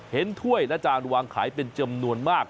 ถ้วยและจานวางขายเป็นจำนวนมาก